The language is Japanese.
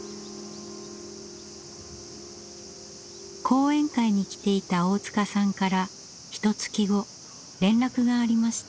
講演会に来ていた大塚さんからひとつき後連絡がありました。